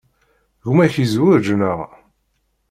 Gma-k yezwej, naɣ?